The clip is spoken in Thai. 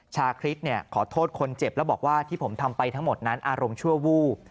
ชาคริสขอโทษคนเจ็บแล้วบอกว่าที่ผมทำไปทั้งหมดนั้นอารมณ์ชั่ววูบ